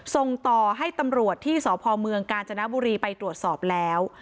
ส่งต่อให้ตำรวจที่สพเมืองกาญจนบุรีไปตรวจสอบแล้ว